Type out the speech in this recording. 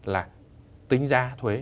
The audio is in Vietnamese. là tính giá thuế